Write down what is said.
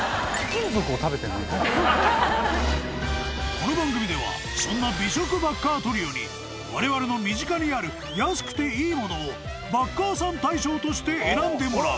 ［この番組ではそんな美食バッカートリオにわれわれの身近にある安くていいものをバッカーさん大賞として選んでもらう］